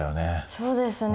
そうですね。